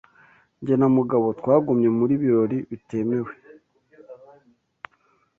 Jye na Mugabo twagumye muri birori bitemewe.